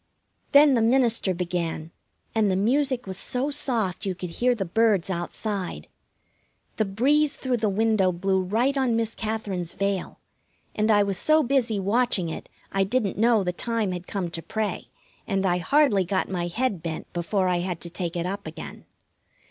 Then the minister began, and the music was so soft you could hear the birds outside. The breeze through the window blew right on Miss Katherine's veil, and I was so busy watching it I didn't know the time had come to pray, and I hardly got my head bent before I had to take it up again.